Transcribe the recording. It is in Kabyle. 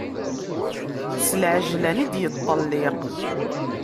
S lɛejlan i d-yeṭelliq.